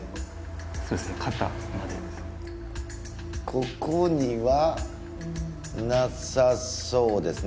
ここにはなさそうですね。